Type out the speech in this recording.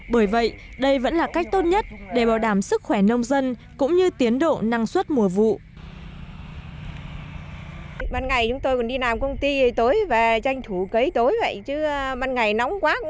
bởi vậy đây vẫn là cách tốt nhất để bảo đảm sức khỏe nông dân cũng như tiến độ năng suất mùa vụ